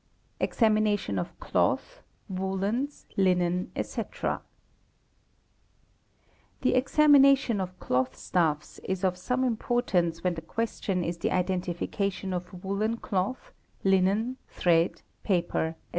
F, Examination of Cloth, Woollens, Linen, &c. é: The examination of cloth stuffs is of some importance when the question is the identification of woollen cloth, linen, thread, paper, &c.